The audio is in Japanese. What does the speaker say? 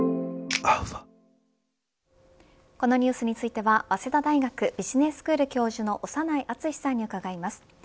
このニュースについては早稲田大学ビジネススクール教授の長内厚さんに伺います。